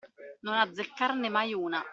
Non azzeccarne mai una.